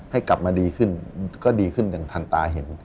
ให้กลับมาดีขึ้นก็ดีขึ้นอย่างทันตาเห็น